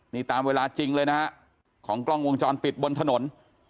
นี่ตามเวลาจริงเลยนะฮะของกล้องวงจรปิดบนถนน